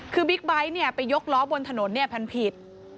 คือบิ๊กไบท์เนี่ยไปยกล้อบนถนนเนี่ยผันผิด